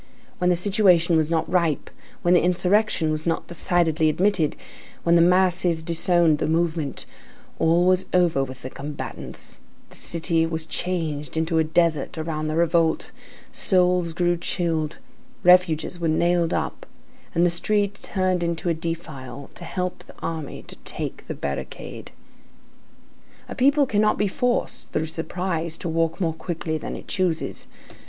When the situation was not ripe, when the insurrection was not decidedly admitted, when the masses disowned the movement, all was over with the combatants, the city was changed into a desert around the revolt, souls grew chilled, refuges were nailed up, and the street turned into a defile to help the army to take the barricade. A people cannot be forced, through surprise, to walk more quickly than it chooses.